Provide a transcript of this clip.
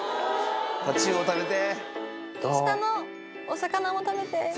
タチウオ食べて。